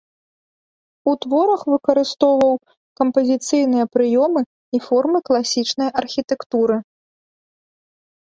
У творах выкарыстоўваў кампазіцыйныя прыёмы і формы класічнай архітэктуры.